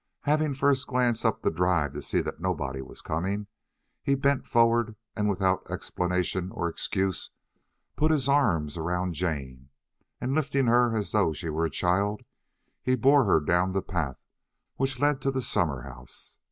Having first glanced up the drive to see that nobody was coming, he bent forward and without explanation or excuse put his arms around Jane, and lifting her as though she were a child, he bore her down the path which led to the summer house.